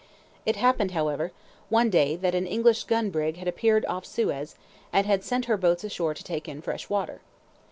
It happened however, one day that an English gun brig had appeared off Suez, and sent her boats ashore to take in fresh water.